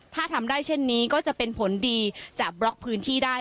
ถ้าทำได้เช่นนี้ก็จะเป็นผลดีจะบล็อกพื้นที่ได้